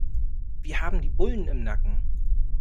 Wir haben die Bullen im Nacken.